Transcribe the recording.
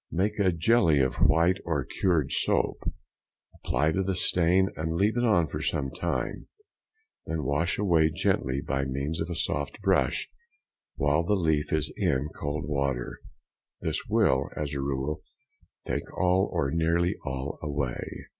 Make a jelly of white or curd soap, apply to the stain, and leave it on for some time, then wash away gently by means of a soft brush while the leaf is in cold water; this will, as a rule, take all, or nearly all, away.